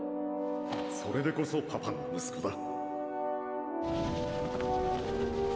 それでこそパパの息子だ。